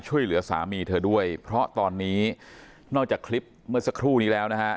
ช่วยเหลือสามีเธอด้วยเพราะตอนนี้นอกจากคลิปเมื่อสักครู่นี้แล้วนะฮะ